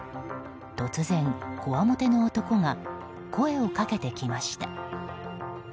突然、こわもての男が声をかけてきました。